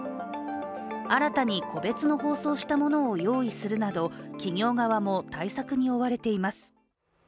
新たに個別に包装したものを用意するなど企業側も対策に追われています。